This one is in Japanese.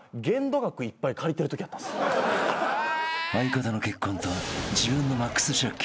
［相方の結婚と自分のマックス借金］